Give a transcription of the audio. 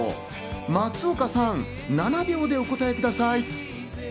松岡さん、７秒でお答えください。